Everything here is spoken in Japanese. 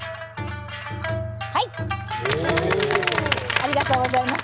ありがとうございます。